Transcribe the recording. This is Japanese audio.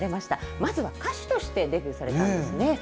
まずは歌手としてデビューされたんですね。